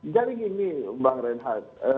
jadi gini bang reinhardt